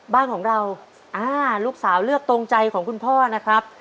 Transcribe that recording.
บ้านของเราลูกสาวเลือกตรงใจของคุณพ่อนะครับ